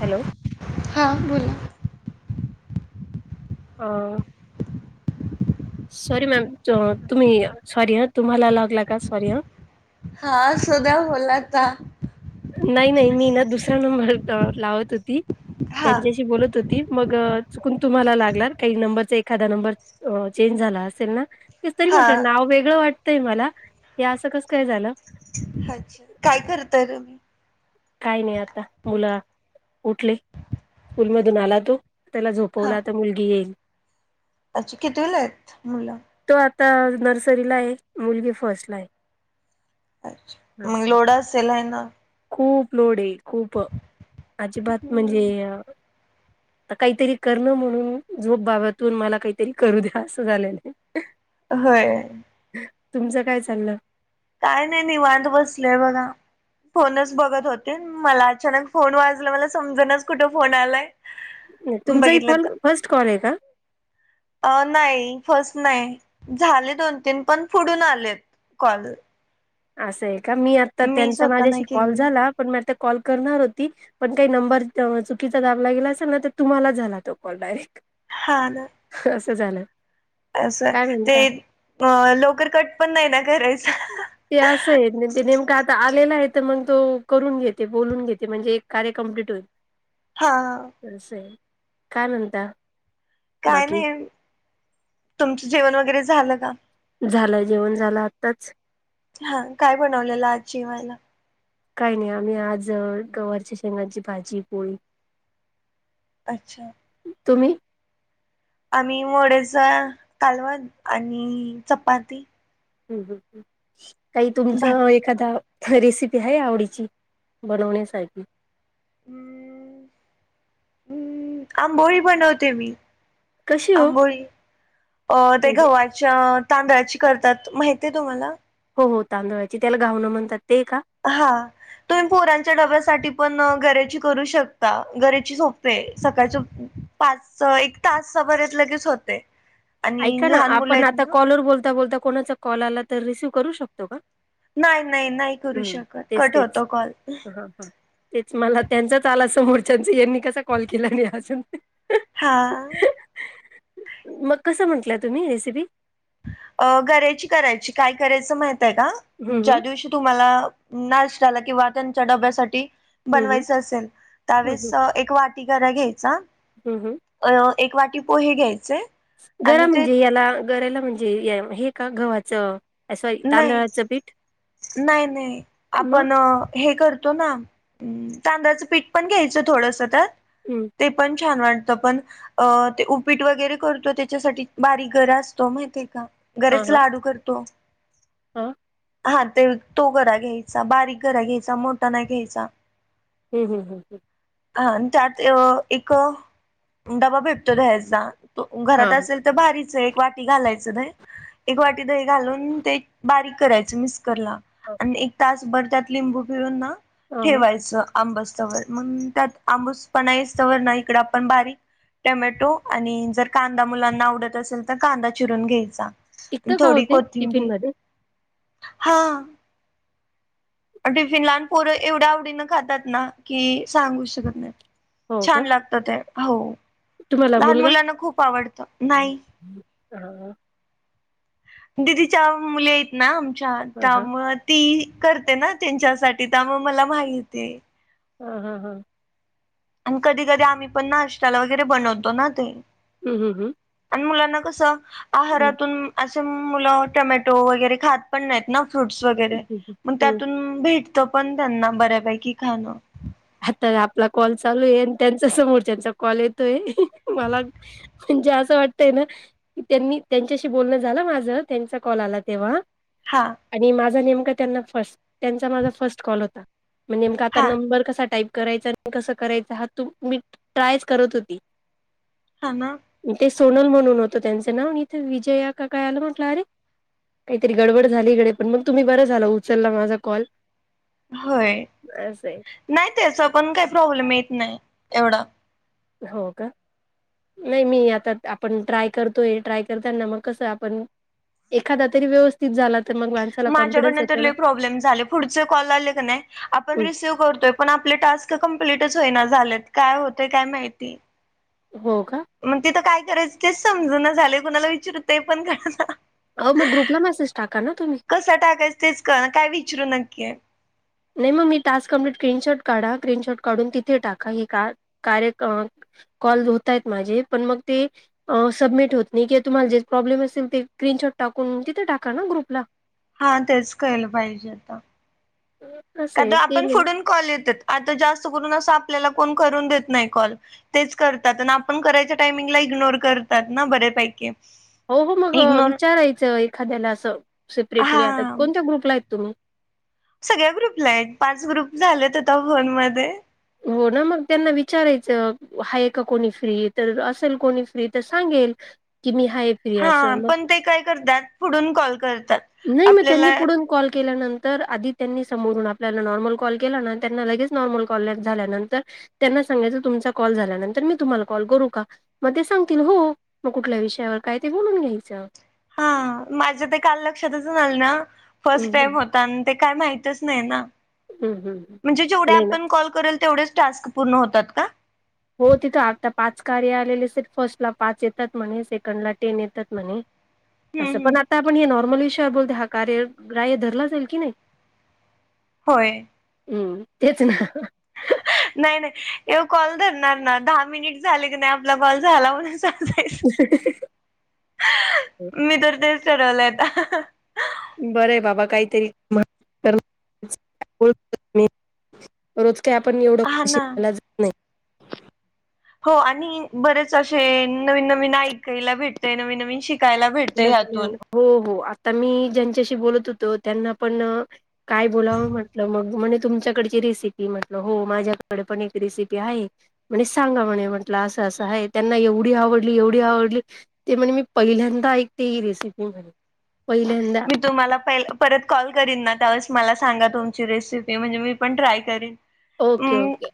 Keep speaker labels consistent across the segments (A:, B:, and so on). A: Hello,
B: हा बोला.
A: अ.., सॉरी मॅम तुम्ही सॉरी हा तुम्हाला लागला का? सॉरी हा.
B: हा असू द्या. बोला आता
A: नाही नाही मी ना, दुसरा नंबर लावत होती.
B: हा
A: त्यांच्याशी बोलत होत ती मग चुकून तुम्हाला लागला. काही नंबरचा एखादा नंबर अ चेंज झाला असेल ना, तेच तरी
B: हा
A: म्हटलं नाव वेगळं वाटतंय मला. हे असं कसं काय झालं.
B: अच्छा. काय करताय तुम्ही?
A: काय नाही आता मुला उठले. स्कूलमधून आला तो. त्याला झोपवला आता मुलगी येईल.
B: अछी कितवीला आहेत मुलं?
A: तो आता नर्सरीला आहे. मुलगी फर्स्ट ला आहे.
B: अच्छा. मग
A: असे
B: लोढ असेल आहे ना,
A: खूप लोड आहे खूप अजिबात म्हणजे आता काहीतरी करणं म्हणून झोप बाबा तून मला काहीतरी करू द्या. असं झालेलं आहे.
B: होय.
A: तुमचं काय चाललं?
B: काय नाही निवांत बसले आहे बघा. फोनच बघत होते. मला अचानक फोन वाजला. मला समजनाच कुठं फोन आलाय.
A: तुमचंय
B: बघितलं
A: फोन
B: तर
A: फर्स्ट कॉल आहे का?
B: अ नाही फर्स्ट नाही. झाले दोन तीन पण पुढून आलेत कॉल.
A: असं आहे का? मी आता
B: मी
A: त्यांचा
B: स्वतः नाही
A: माझ्याशी कॉल
B: केलेला
A: झाला. पण मी आता कॉल करणार होती. पण काही नंबर चुकीचा दाबला गेला असेल ना, तर तुम्हाला झाला तो कॉल डायरेक्ट.
B: हा न,
A: असं झालं.
B: असं
A: काय
B: ते
A: म्हणता?
B: अ लवकर कट पण नाही ना, करायचा.
A: ते असं आहे ते नेमकं आता आलेलं आहे तर मग तो करून घेते, बोलून घेते म्हणजे एक कार्य कमप्लीट होईल. [inaudible]
B: हा, हा
A: तस आहे, काय म्हणता?
B: काय
A: बाकी?
B: नाही? तुमचं जेवण वगैरे झालं का?
A: झालं जेवण झालं आत्ताच,
B: हा काय बनवलेलं आज जेवायला?
A: काही नाही आम्ही आज गवारच्या शेंगची, भाजी पोळी,
B: अच्छा!
A: तुम्ही,
B: आम्ही मोडेचा कालवण आणि चपाती
A: ह् काही
B: भात
A: तुमचं
B: वगैरे.
A: एखादा, रेसिपी आहे. आवडीची बनवण्यासारखी,
B: हम् हम्म आंबोळी बनवते मी,
A: कशी हो?
B: आंबोळी अ ते
A: म्हणजे
B: ग्हवाची तांदळाची करतात माहितीय तुम्हाला,
A: हो हो तांदुळाची त्याला घावणं म्हणतात ते का?
B: हा तुम्ही पोरांच्या डब्यासाठी पण गर्याची करू शकता, गर्याची सोपे आहे. सकाळच पाच एक तासा बरात लगेच होते. आणि
A: ऐका ना,
B: लहान मुलं
A: आपण
B: आहेत
A: आता
B: ना
A: कॉलर बोलता बोलता, कोणाचा कॉल आला तर रिसीव्ह करू शकतो. का?
B: नाही नाही नाही, करू शकत कट होतो कॉल,
A: हा हा तेच मला त्यांचाच आला समोरच्याचा यांनी कसा कॉल केला नाही अजून,
B: हा,
A: कस म्हटलं, तुम्ही रेसिपी
B: अ गर्याची करायची काय करायचं माहितय का?
A: हं,
B: ज्या
A: हं.
B: दिवशी तुम्हाला नाष्टाला किंवा त्यांच्या डब्यासाठी
A: हं, हं.
B: बनवायच असेल, त्यावेळेस एक वाट वाटी गरा घ्यायचा,
A: हम हं
B: अ एक वाटी पोहे घ्यायचे.
A: गर्याला
B: आणि ते
A: म्हणजे याला गराला म्हणजे हे का गव्हाचं अ, सॉरी
B: नाही
A: तांदळाचं पीठ
B: नाही नाही
A: मग
B: आपण हे करतो ना, हम तांदळाचं पीठ पण घ्यायचं थोडस त्यात,
A: हम्म
B: ते पण छान वाटतं पण, अ ते उपीट वगैरे करतो. त्याच्यासाठी बारीक घरं असतो माहितीय का? गर्याच लाडू करतो.
A: हा
B: हा ते तो घरा घ्यायचा. बारीक घरा घ्यायचा मोठा नाही घ्यायचा.
A: ह्ं ह्ं ह् ह्
B: हा त्यात एक डबा भेटतो दह्याचा, त घरात
A: हां
B: असेल तर भारीच एक वाटी घालायचं. दही एक वाटी दही घालून ते, बारीक करायच मिस्करला
A: हां
B: आणि एक तासभर त्यात लिंबू पिळून ना,
A: हां हां
B: ठेवायचं आंबसतवर मग त्यात आंबूस पण आहेसतवर ना इकड आपण बारीक टोमॅटो, आणि जर कांदा मुलांना आवडत असेल तर कांदा चिरून घ्यायचा.
A: टिकतं का हो
B: थोडी
A: ते
B: कोथिंबीर,
A: टिफिनमध्ये
B: हा! टिफिन लहान पोरं एवढ्या आवडीनं खातात ना, की सांगू शकत नाही
A: हो का
B: छान लाग- तर, ते हो.
A: तुम्हाला,
B: लहान
A: मुलगा-
B: मुलांना खूप आवडतं नाही दिदीच्या मुली आहेत ना, आमच्या
A: हां
B: त्या
A: हां
B: मग- ती, करते ना त्यानंच्यासाठी त्यामुळं मला माहितीये.
A: हां हां हां.
B: ''आणि कधी- कधी आम्ही पण नाश्ताला वगैरे बनवतो ना ते''
A: हं हं हं
B: आणि मुलांना कसं,
A: हं
B: आहारातून- मुलं, टोमॅटो वगैरे खातं पण नाहीत ना फ्रूट्स
A: हं
B: वगैरे,
A: हं
B: मग
A: हं
B: त्यातून भेट- तो पण त्यांना बऱ्यापैकी खाणं-
A: हा तर आपला कॉल चालू आहे, आणि त्यांचा समोरच्याचा कॉल येतोय मला- म्हणजे असं वाटतयं ना! की त्यांनी त्यांच्याशी बोलणं झालं माझं, त्यांचा कॉल आला तेव्हा.
B: हां
A: आणि माझा नेमका त्यांना फर्स्ट, त्यांचा माझा फर्स्ट कॉल होता. म नेमका आता
B: हा
A: नंबर कसा- टाईप करायच आणि कसं करायचं, हा तू मी ट्रायच करत होती.
B: हा ना
A: ते सोनलं म्हणून होतं त्यांचं नाव, इथे विजया का काय आलं म्हटलं अरे! ''काहीतरी गडबड झालीगडे, पण मग तुम्ही बरं झालं उचलला माझा कॉल, ''
B: होय, नाही त्याचा पण काही प्रॉब्लेम येत नाही एवढा,
A: हो का, नाही मी आता आपण ट्राय करतोय, ट्राय करताना मग कसं आपण, एखादा तरी व्यवस्थित झाला तर मग मा-
B: माझ्याकडनं तर लय प्रॉब्लेम झाले, पुढचे कॉल आले का नाही- ''आपण
A: हं.
B: रिसिव्ह करतोय पण आपले टास्क कंप्लीटच होईना, झालेत काय होते काय माहिती. ''
A: हो का,
B: ''मग तिथं काय करायचं तेच समजना झालय, कुणाला विचारु ते पण काय कळना, ''
A: अहो, मग ग्रुपला मेसेज टाका ना तुम्ही.
B: कसं टाकायच तेच कळना, काय विचरू नक्की?
A: ''नाही, मग मी टास्क कमप्लीट स्क्रीनशॉट काढा स्क्रीनशॉट काढून तिथे, टाका हे का कार्य- कॉल होत आहेत माझे, पण मग ते- ''अ सबमिट होत नाही, किंवा तुम्हाला जे प्रॉब्लेम असेल ते क्रीनशॉट टाकून तिथं टाका ना ग्रुपला, ''
B: हा, तेच केलं पाहिजे आता.
A: [unintelligible]
B: ''का तर
A: ते
B: आपण
A: मी
B: पुुढून कॉल येत्यात, आता जास्त करून असं आपल्याला कोण करून देत नाही कॉल, '' ''तेच करतात, आणि आपण करायच्या टायमिंगला इग्नोर करतात ना बऱ्यापैकी, ''
A: हो हो, मग विचारायचं एखाद्याला असं सेपरेटली आता,
B: हा
A: कोणत्या ग्रुपला आहेत तुम्ही?
B: ''सगळ्या ग्रुपलाय, पाच ग्रुप झालेत आता फोन मध्ये. ''
A: 'हो ना, मग त्यांना विचारायचं, आहे का कोणी फ्री? तर असेल कोणी फ्री तर सांगेल. '' कि मी हाय.
B: हा हा, पण ते काय करतात, पुढून कॉल करतात.
A: नाही मग, त्यांनी
B: आपल्याला
A: पुढून कॉल केल्यानंतर- तर आधी त्यांनी समोरून आपल्याला नॉर्मल कॉल केला ना, त्यांना लगेच नॉर्मल कॉल ले झाल्यानंतर त्यांना सांगायचं, तुमचा कॉल झाल्यानंतर मी तुम्हाला कॉल करू का? म ते सांगतील हो, मग कुठल्या विषयावर काय ते बोलून घ्यायचं.
B: हा माझ ते काल लक्षातच झालं ना फर्स्ट
A: हं
B: टाइम
A: हं
B: हो ता न ते काय माहितच नही ना,
A: हं हं. हं.
B: म्हणजे जेवढे
A: नाही ना
B: आपण कॉल करल तेवढेच टास्क पूर्ण होतात का?
A: हो तिथं आता पाच कार्य आलेले सेल, फर्स्टला पाच येतात म्हणे, सेकंडला टेन येतात म्हणे.
B: हम्म
A: असं
B: हम्म.
A: पण आता आपण हे नॉर्मल विषयावर बोलते, हा कार्य ग्राह्य धरला जाईल की नाही?
B: होय!
A: ऊं तेच ना.
B: नाही, नाही एव कॉल धरणार ना दहा मिनिट झाले क नाही आपला कॉल झाला म्हनु सं
A: [unintelligible]
B: मी तर तेच ठरवलंय अता.
A: बरंय बाबा काहीतरी [unintelligible] रोज काय आपण एवढं
B: हा
A: [unintelligible]
B: ना
A: जात नाही.
B: हो आणि बरेच असे नवीन-नवीन आयकयला भेटतय, नवीन-नवीन शिकायला भेटतय ह्यातून
A: हो हो आता मी ज्यांच्याशी बोलत होतो त्यांना पण काय बोलावं म्हटलं मग, म्हने तुमच्याकडची रेसिपी म्हटलं हो माझ्याकडे पण एक रेसिपी आहे. म्हणे सांगा म्हणे म्हटलं असं असं आहे, त्यांना एवढी आवडली, एवढी आवडली. ते म्हणे मी पहिल्यांदा ऐकते ही रेसिपी म्हणे. पहिल्यांदा
B: मी तुम्हाला पहि परत कॉल करीन ना त्यावेळेस मला सांगा तुमची रेसिपी, म्हणजे मी पण ट्राय करी
A: ओके, ओके.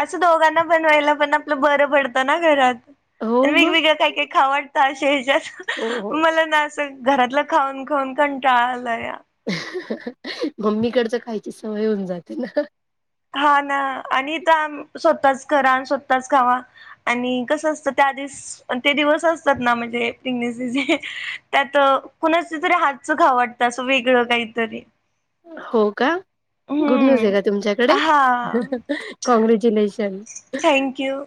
B: असं दोघांना बनवायला पण आपलं बरं पडतं ना घरात,
A: हो
B: आणि
A: मग
B: वेगवेगळं काही काही खावा त अशे
A: हो
B: येच्यात
A: हो
B: मला ना असं घरातलं खाऊन, खाऊन कंटाळा आलाया.
A: मम्मीकडच खायची सवय होऊन जाते ना.
B: हो ना आण इथं आम सोताच करा, आणि सोताच खावा. आणि कसं असतं त्या दिस पन ते दिवस असतात ना म्हणजे प्रेगन्सी चे, त्यात कुणाच्यां तरी हातच खाऊ वाट त आस वेगळ कायतरी.
A: हो का. गुड न्यूज हे
B: हम्म
A: का तुमच्याकडे,
B: हा.
A: कॉँग्रेच्युलेशन.
B: किंव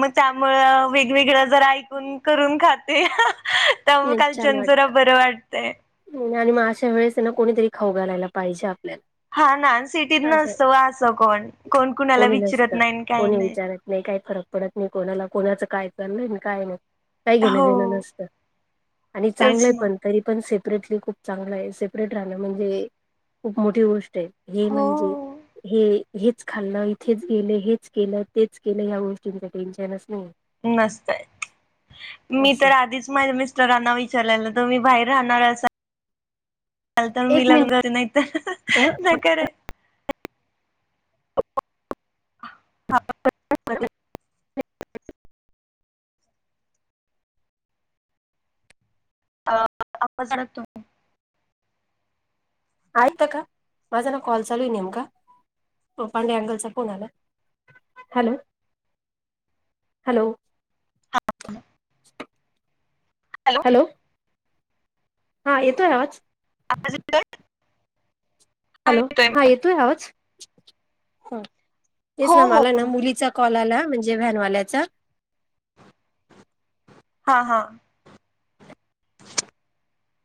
B: म त्यामुळ वेगवेगळं जरा ऐकून करून खाते. त मग
A: नाही
B: काल
A: छान
B: च्यान जरा
A: वाटतं
B: बरं वाटतय.
A: आणि म अशा वेळेस हे ना कोणीतरी खाऊ घालायला पाहिजे आपल्याला.
B: हा ना सिटीत
A: अशा
B: नसतं व असं कोण, कोण कुणाला विचरत नाही न काही नाही.
A: नही काही फरक पडत नाही कोणाला, कोणाचं काय चाललं न काय नाही. काही घेण देण
B: हो
A: नसत, आणि
B: तेच
A: चांगलं
B: ना.
A: पण तरी पण सेप रेटली खूप चांगल आहे, सेपरेट राहणं म्हणजे खूप मोठी गो ष्ट हे
B: हो
A: म्हणजे हे! हेच खाल्लं इथेच गेले हेच केलं तेच केलं ह्यां गोष्टींच टेन्शनच नहीये.
B: नसतय मी
A: असं
B: तर आधीच माज्या मिस स्टरांना विचारलेल, तुम्ही बाहेर राहणार असा ल तर मी
A: एक
B: लग्न करेन नाहीत नाहीं
A: मिनिट
B: करे
A: [inaudible] [inaudible]
B: [inaudible]
A: ऐकता का का माझा ना कॉल चालू आहे? नेमका पांढरे अंगलचा फोन आलाय. Hello, hello. [inaudible]
B: हॅलो.
A: हा येतोय आवाज.
B: [inaudible]
A: हॅलो हा येतोय आवाज,
B: हो
A: तेच ना
B: हो.
A: मला ना मुलीचा कॉला आला म्हणजे व्हॅनवाल्याचा.
B: हा, हा.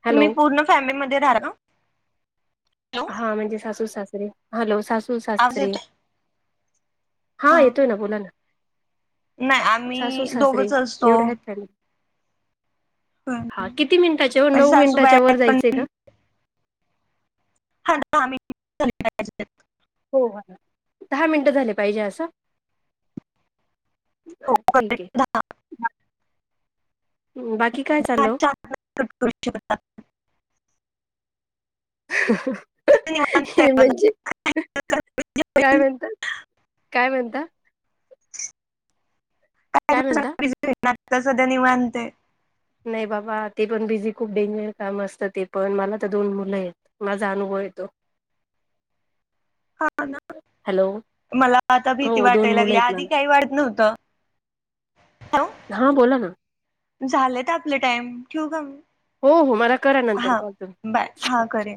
A: हॅलो
B: तुम्ही पूर्ण फॅमिलीमध्ये राह ना हॅलो?
A: हा म्हणजे सासू, सासरे हॅलो सासू,
B: आवाज
A: सासरे.
B: येतोय?
A: हा येतोय ना बोला ना.
B: नाही
A: सासू
B: आम्ही
A: सासरे
B: दोघच असतो.
A: एवढ्या आहेत फॅमिली
B: म्हणजे
A: हा किती मिनिटाच्या ओ नऊ
B: सासूबाई
A: मिनिटाच्या वर
B: आहेत पण
A: जायचंय का?
B: [inaudible]
A: हो दहा मिनटं झाले पाहिजे असं.
B: हो
A: ठीक आहे
B: करेक्ट दहा
A: बाकी काय चालव ओ?
B: [inaudible]
A: [inaudible]
B: आता निवांत आहे
A: हे
B: बघा.
A: म्हणजे काय
B: काही
A: म्हणता, काय म्हणता? काय म्हणता
B: आता सध्या निवांत आहे.
A: नाही बाबा ते पण बिझी खूप डेंजर काम असतं, ते पण मला तर दोन मुलं आहेत. माझा अनुभव आहे तो.
B: हा ना.
A: हॅलो.
B: मला आता
A: हो
B: भीती
A: दोन
B: वाटायला
A: मुलं
B: लागली,
A: आहेत
B: आधी
A: मला
B: काही वाटत नव्हतं. हॅलो
A: हा बोला ना.
B: झालेत आपले टाइम ठेव का म?
A: हो हो मला करा नंतर कॉल
B: बाय हा करेन.
A: तुम्ही.